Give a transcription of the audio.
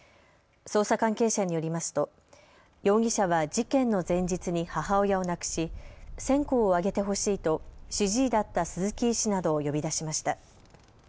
捜査関係者によりますと、容疑者は事件の前日に母親を亡くし線香を上げてほしいと主治医だった鈴木医師などを呼び出しました。